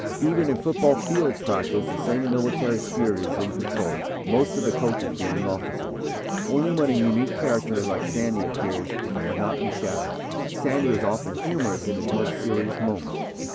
Even in football field practice the same military spirit is in control, most of the coaches being officers. Only when a unique character like Sandy appears is the monotony shattered. Sandy is often humorous in his most serious moments.